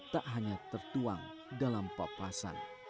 tak hanya tertuang dalam papasan